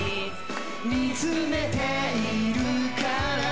見つめているから